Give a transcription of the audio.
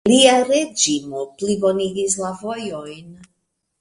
Lia reĝimo plibonigis la vojojn.